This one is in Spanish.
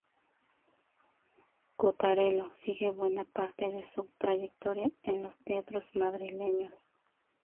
Cotarelo sigue buena parte de su trayectoria en los teatros madrileños.